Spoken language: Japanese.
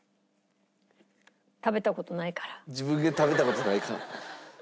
自分が食べた事ないから。